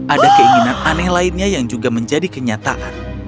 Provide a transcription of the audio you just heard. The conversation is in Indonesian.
ada keinginan aneh lainnya yang juga menjadi kenyataan